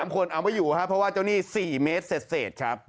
๓คนเอามาอยู่เพราะว่าเจ้านี่๔เมตรเศษครับ